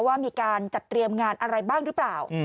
ว่ามีการจัดเตรียมงานอะไรบ้างหรือเปล่า